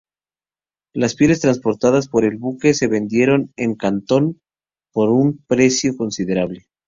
Las pieles transportadas por el buque se vendieron en Cantón por un precio considerable.